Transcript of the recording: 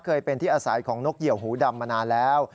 เคยเป็นที่อาศัยของนกเหี่ยวหูดำมานานแล้ว